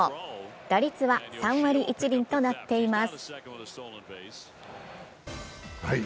打率は３割１厘となっています。